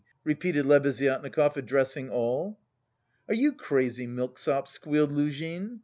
repeated Lebeziatnikov, addressing all. "Are you crazy, milksop?" squealed Luzhin.